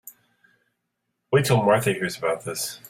Wait till Martha hears about this.